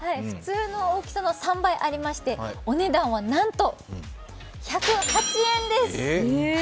普通の大きさの３倍ありまして、お値段は、なんと１０８円です！